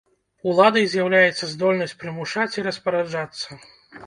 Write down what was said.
Уладай з'яўляецца здольнасць прымушаць і распараджацца.